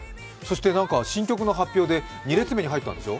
新曲の発表で２列目に入ったんでしょ？